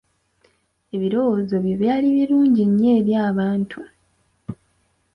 Ebirowoozo bye byali birungi nnyo eri abantu.